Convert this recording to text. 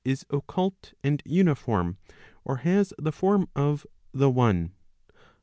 383 is occult and uniform [or has the form of the one].